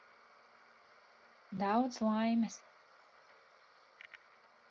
Daudz laimes!